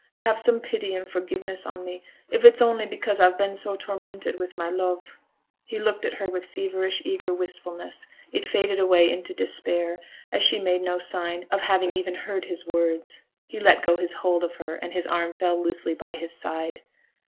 Have some pity and forgiveness on me, if it's only because I've been so tormented with my love.' He looked at her with feverish eager wistfulness; it faded away into despair as she made no sign of having even heard his words. He let go his hold of her, and his arm fell loosely by his side.